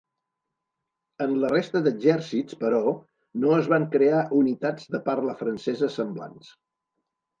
En la resta d'exèrcits, però, no es van crear unitats de parla francesa semblants.